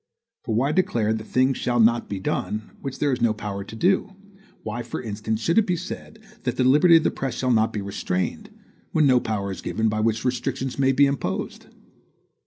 For why declare that things shall not be done which there is no power to do? Why, for instance, should it be said that the liberty of the press shall not be restrained, when no power is given by which restrictions may be imposed?